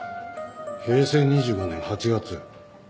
「平成２５年８月」。